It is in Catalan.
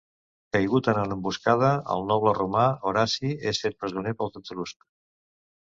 Caigut en una emboscada, el noble romà Horaci és fet presoner pels Etruscs.